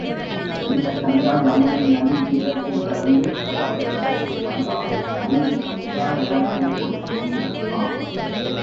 இந்தக் கங்கா யமுனை நதி தீரத்தைக் கடந்து, கோதாவரிக் கரைக்கு வந்தால் அங்கு பத்ராஜலத்தில் ஒரு கோயில், ஆம்!